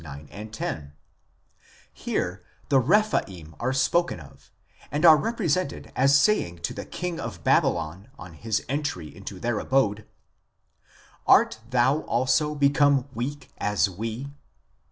9, 10; here the Rephaim are spoken of, and are represented as saying to the king of Babylon on his entry into their abode :" Art thou also become weak as we